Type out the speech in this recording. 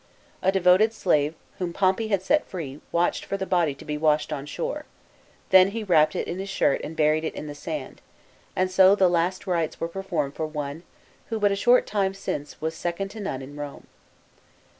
A devoted slave whom Pompey had set free, watched for the body to be washed on shore ; then he wrapped it in his shirt and buried it in the sand, and so the last rites were performed for one, who but a short time since, was second to none in Rome.